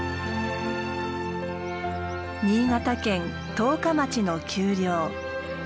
新潟県十日町の丘陵。